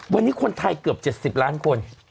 วันนี้คนไทยเกือบ๗๐ล้านคน